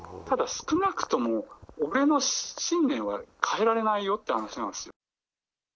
ただ少なくとも、俺の信念は変えられないよって話なんですよ。